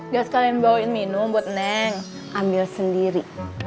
gak sekalian bawain minum buat neng ambil sendiri